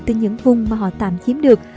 từ những vùng mà họ tạm chiếm được